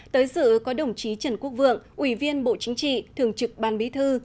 tới dự có đồng chí trần quốc vượng ủy viên bộ chính trị thường trực ban bí thư